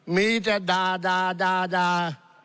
มีแต่ดาดาดาดา